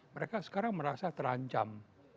mereka sekarang merasa terancam